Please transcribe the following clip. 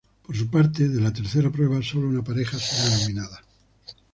Por su parte, de la tercera prueba solo una pareja será nominada.